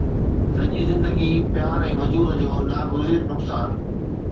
سڄي زندگي پيار ۽ وجود جو ناگزير نقصان